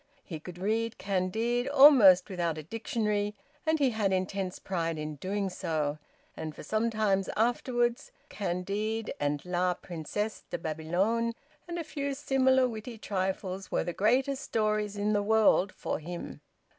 He could read "Candide" almost without a dictionary, and he had intense pride in doing so, and for some time afterwards "Candide" and "La Princesse de Babylone," and a few similar witty trifles, were the greatest stories in the world for him.